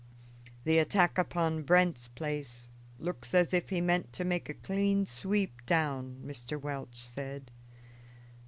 "The attack upon Brent's place looks as if he meant to make a clean sweep down," Mr. Welch said.